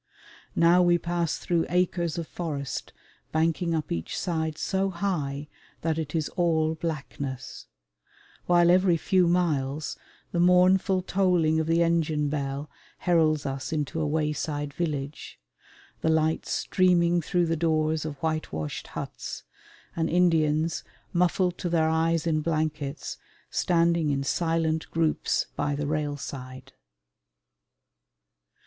Now we pass through acres of forest banking up each side so high that it is all blackness; while every few miles the mournful tolling of the engine bell heralds us into a wayside village, the lights streaming through the doors of whitewashed huts, and Indians, muffled to their eyes in blankets, standing in silent groups by the railside.